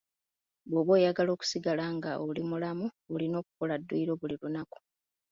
Bw'oba oyagala okusigala nga oli mulamu olina okukola dduyiro buli lunaku.